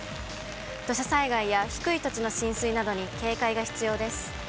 土砂災害や低い土地の浸水に警戒が必要です。